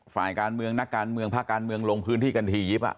ฝ่ายการเมืองนักการเมืองภาคการเมืองลงพื้นที่กันทียิบ